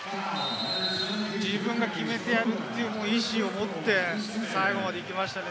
自分が決めてやるっていう意思を持って最後まで行きましたね。